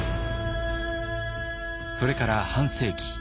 それから半世紀。